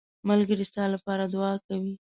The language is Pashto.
ملګری ستا لپاره دعا کوي